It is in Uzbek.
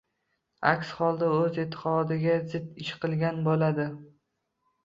Aks holda u o‘z e’tiqodiga zid ish qilgan bo‘ladi.